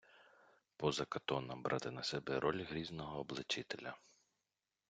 Поза Катона— брати на себе роль грізного обличителя